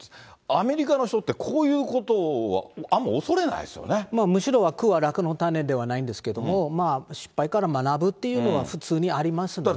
アメリカの人って、こういうことむしろ、苦は楽の種ではないんですけれども、失敗から学ぶっていうのは普通にありますので。